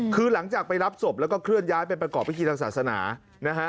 คือหลังจากไปรับศพแล้วก็เคลื่อนย้ายไปประกอบพิธีทางศาสนานะฮะ